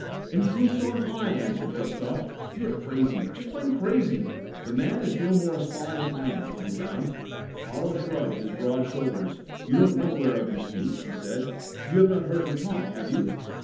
"In truth, so am I!" answered Gustav. "You are crazy, just plain crazy. The man is no more a spy than I am, I'll be bound!" Otto shrugged his broad shoulders. "You don't know whereof you speak," he said. "You have not heard him talk, have you?"